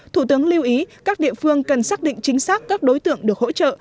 thủ tướng lưu ý các địa phương cần xác định chính xác các đối tượng được hỗ trợ